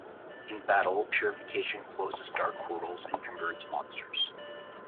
In battle, purification closes dark portals and converts monsters.